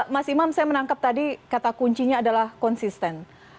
mas imam saya menangkap tadi kata kuncinya adalah konsisten